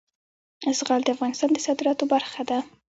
زغال د افغانستان د صادراتو برخه ده.